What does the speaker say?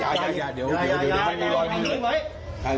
อันนี้แหละ